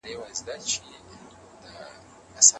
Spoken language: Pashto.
د سړو سیمو خلک د کمښت له ستونزې سره مخ دي.